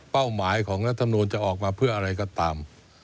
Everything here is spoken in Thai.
หมายของรัฐมนูลจะออกมาเพื่ออะไรก็ตาม